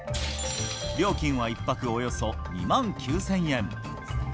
料金は１泊およそ２万９０００円。